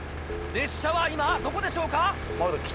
列車は今どこでしょうか？